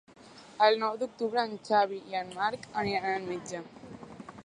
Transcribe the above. El nou d'octubre en Xavi i en Marc aniran al metge.